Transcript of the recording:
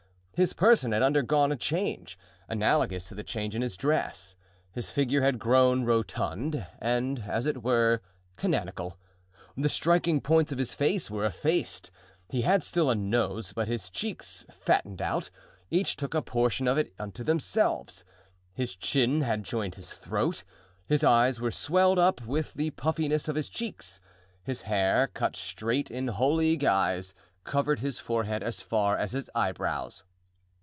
His person had undergone a change, analogous to the change in his dress; his figure had grown rotund and, as it were, canonical. The striking points of his face were effaced; he had still a nose, but his cheeks, fattened out, each took a portion of it unto themselves; his chin had joined his throat; his eyes were swelled up with the puffiness of his cheeks; his hair, cut straight in holy guise, covered his forehead as far as his eyebrows.